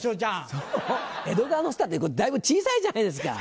「江戸川のスター」ってだいぶ小さいじゃないですか。